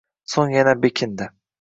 Soʻng yana bekindi